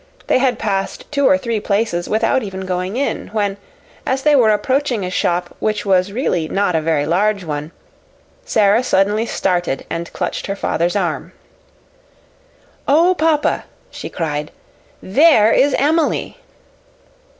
They had passed two or three places without even going in, when, as they were approaching a shop which was really not a very large one, Sara suddenly started and clutched her father's arm. "Oh, papa!" she cried. "There is Emily!"